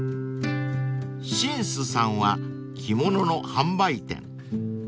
［しんすさんは着物の販売店］